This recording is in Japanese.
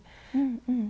うん。